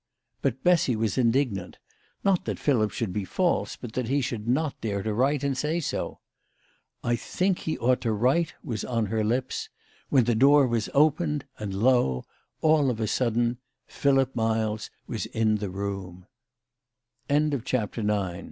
But Bessy was indignant ; not that Philip should be false, but that he should not dare to write and say so. " I think he ought to write," was on her lips, when the door was opened, and, lo, all of a sudden, Philip Miles was in the